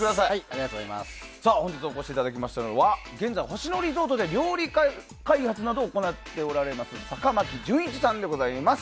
本日お越しいただきましたのは現在、星野リゾートで料理開発などを行っていらっしゃいます坂巻順一さんでございます。